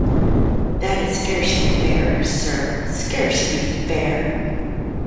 That is scarcely fair, sir, scarcely fair!